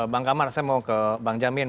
bang kamar saya mau ke bang jamin